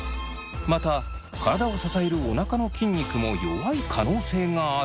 また体を支えるおなかの筋肉も弱い可能性があるとのことでした。